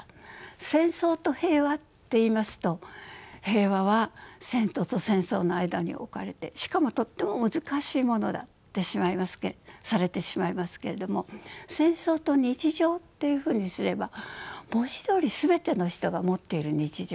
「戦争と平和」っていいますと平和は戦争と戦争の間に置かれてしかもとっても難しいものだってされてしまいますけれども「戦争と日常」っていうふうにすれば文字どおり全ての人が持っている日常。